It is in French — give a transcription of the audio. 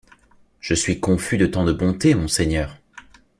Je suis confus de tant de bonté, monseigneur.